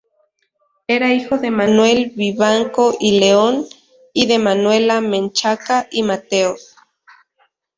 Era hijo de Manuel Vivanco y León y de Manuela Menchaca y Mateos.